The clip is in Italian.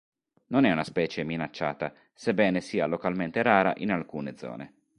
Non è una specie minacciata, sebbene sia localmente rara in alcune zone.